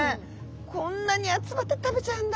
こんなに集まって食べちゃうんだ。